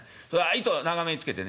糸長めにつけてね。